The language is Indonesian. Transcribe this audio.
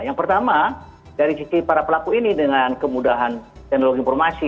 yang pertama dari sisi para pelaku ini dengan kemudahan teknologi informasi